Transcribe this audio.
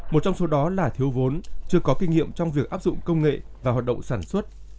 một trong số đó là thiếu vốn chưa có kinh nghiệm trong việc áp dụng công nghệ và hoạt động sản xuất